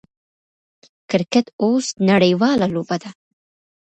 کرکټ اوس نړۍواله لوبه ده.